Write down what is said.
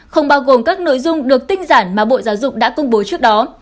không bao gồm các nội dung được tinh giản mà bộ giáo dục đã công bố trước đó